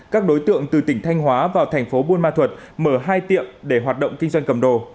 các đối tượng từ tỉnh thanh hóa vào thành phố buôn ma thuật mở hai tiệm để hoạt động kinh doanh cầm đồ